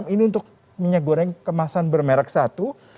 ini untuk minyak goreng kemasan bermerek satu